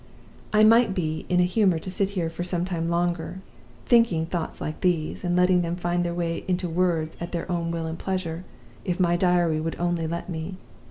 "I might be in a humor to sit here for some time longer, thinking thoughts like these, and letting them find their way into words at their own will and pleasure, if my Diary would only let me.